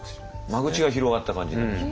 間口が広がった感じが。